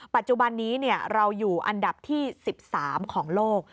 ปัจจุบันนี้เราอยู่อันดับที่๑๓ของโลก